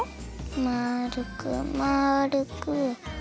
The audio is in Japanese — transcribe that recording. まるくまるく。